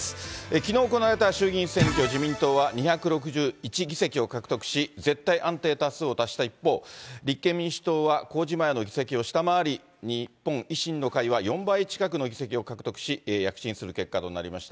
きのう行われた衆議院選挙、自民党は２６１議席を獲得し、絶対安定多数を達した一方、立憲民主党は公示前の議席を下回り、日本維新の会は４倍近くの議席を獲得し、躍進する結果となりました。